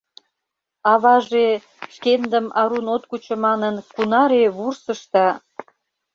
Аваже, шкендым арун от кучо манын, кунаре вурсыш да...